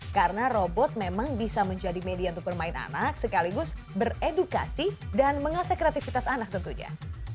karena robot memang bisa menjadi media untuk bermain anak sekaligus beredukasi dan mengasah kreativitas anak tentunya